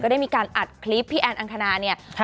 ก็ได้มีการอัดคลิปพี่แอนนอันขนา